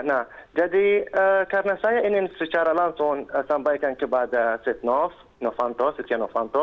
nah jadi karena saya ingin secara langsung sampaikan kepada setnov novanto setia novanto